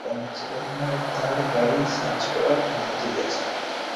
তার বাড়ি সার্চ করার অনুমতি দিয়েছে।